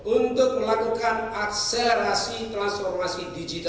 untuk melakukan akserasi transformasi